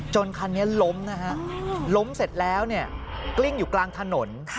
คันนี้ล้มนะฮะล้มเสร็จแล้วเนี่ยกลิ้งอยู่กลางถนน